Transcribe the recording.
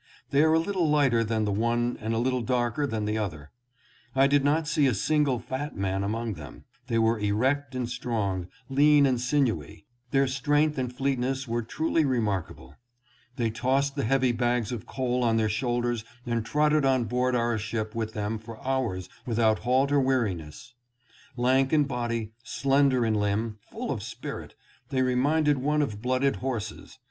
They are a little lighter than the one and a little darker than the other. I did not see a single fat man among them. They were erect and strong, lean and sinewy. Their strength and fleetness were truly remarkable. They tossed the heavy bags of coal on their shoulders and trotted on board our ship with them for hours without halt or weariness. Lank in body, slender in limb, full of spirit, they reminded one of blooded horses.